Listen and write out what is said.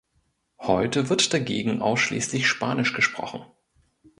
Heute wird dagegen ausschließlich Spanisch gesprochen.